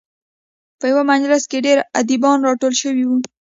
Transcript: په یوه مجلس کې ډېر ادیبان راټول شوي وو.